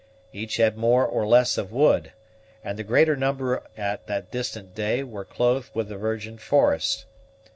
Each had more or less of wood; and the greater number at that distant day were clothed with the virgin forest.